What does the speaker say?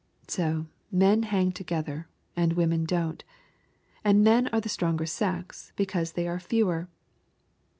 So men hang together, and women don't. And men are the stronger sex because they are fewer!